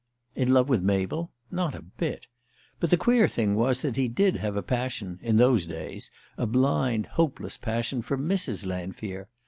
In love with Mabel? Not a bit! But the queer thing was that he did have a passion in those days a blind, hopeless passion for Mrs. Lanfear!